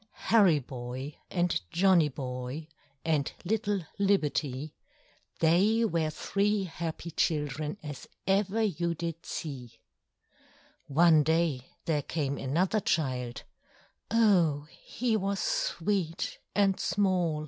Harry Boy and Johnny Boy, And little Libbety, They were three happy children As ever you did see: One day there came another child; Oh! he was sweet and small!